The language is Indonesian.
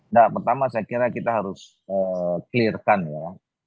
nah pertama saya kira kita harus clear kan ya